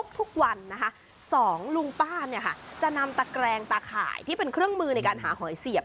ทุกวันนะคะสองลุงป้าจะนำตะแกรงตาข่ายที่เป็นเครื่องมือในการหาหอยเสียบ